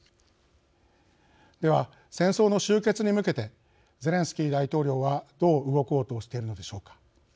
では、戦争の終結に向けてゼレンスキー大統領はどう動こうとしているのでしょうか。